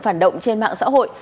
phản động trên mạng xã hội